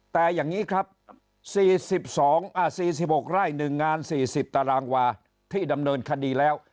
แต่อย่างนี้ครับ๔๖ไร่๑งาน๔๐ตารางวาที่ดำเนินคดีแล้ว